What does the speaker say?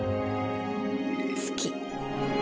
好き。